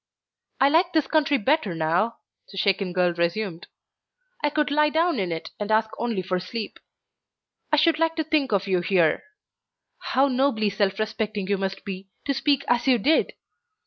"I like this country better now," the shaken girl resumed. "I could lie down in it and ask only for sleep. I should like to think of you here. How nobly self respecting you must be, to speak as you did!